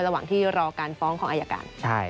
ระหว่างที่รอการฟ้องของอายการ